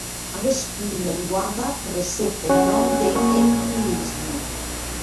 Aguest punt d'enguarda recep eth nòm d'empirisme.